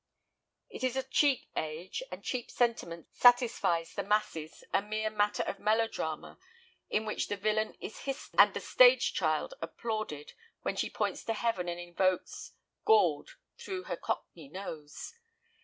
It is a cheap age, and cheap sentiment satisfies the masses, a mere matter of melodrama in which the villain is hissed and the "stage child" applauded when she points to heaven and invokes "Gawd" through her cockney nose.